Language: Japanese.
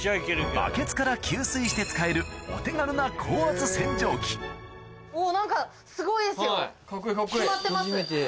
バケツから給水して使えるお手軽な高圧洗浄機おぉ何かすごいですよ。